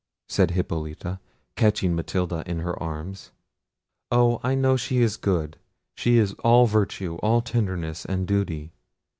said Hippolita, catching Matilda in her arms—"Oh! I know she is good, she is all virtue, all tenderness, and duty.